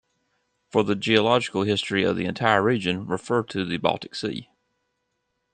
For the geological history of the entire region, refer to the Baltic Sea.